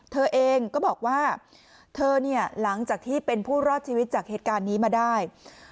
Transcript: เธอเองก็บอกว่าเธอเนี่ยหลังจากที่เป็นผู้รอดชีวิตจากเหตุการณ์นี้มาได้